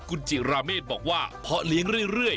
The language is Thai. คุณจิราเมฆบอกว่าเพาะเลี้ยงเรื่อย